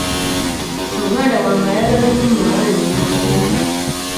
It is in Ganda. Muganda wange ayagala nnyo muwala we Nakku.